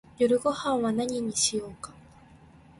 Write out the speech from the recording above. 夜ごはんは何にしようか